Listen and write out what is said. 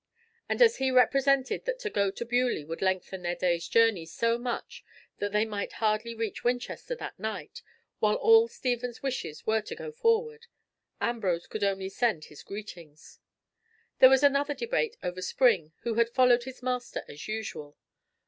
And as he represented that to go to Beaulieu would lengthen their day's journey so much that they might hardly reach Winchester that night, while all Stephen's wishes were to go forward, Ambrose could only send his greetings. There was another debate over Spring, who had followed his master as usual.